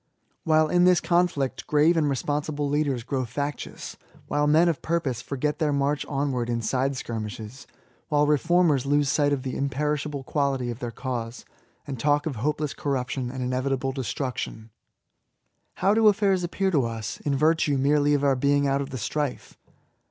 While in this conflict grave and responsible leaders grow factious — while men of purpose forget their march onward in side skirmishes — while refonpers lose sight of the imperishable quality of 78 BS8ATS, their cause^ and talk of hopeless corruption and inevitable destruction — ^how do affairs appear to us^ in virtue merely of our being out of the strife